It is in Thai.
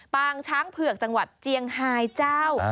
ปางช้างเผือกจังหวัดเจียงไฮเจ้า